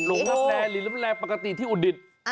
หลงลับแลรินลับแลปกติที่อุดิต